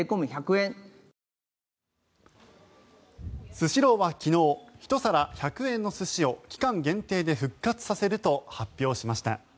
スシローは昨日１皿１００円の寿司を期間限定で復活させると発表しました。